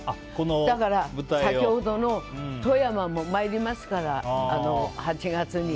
だから、先ほどの富山も参りますから８月に。